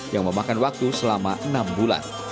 yang memakan waktu selama enam bulan